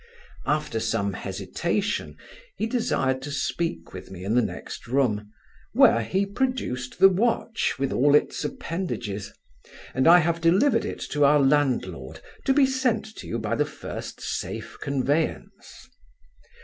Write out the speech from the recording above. After some hesitation, he desired to speak with me in the next room, where he produced the watch, with all its appendages, and I have delivered it to our landlord, to be sent you by the first safe conveyance.